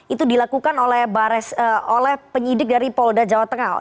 itu dilakukan oleh penyidik dari pol gajal tengah